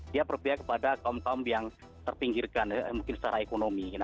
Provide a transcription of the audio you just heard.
dia berpihak kepada kaum kaum yang terpinggirkan mungkin secara ekonomi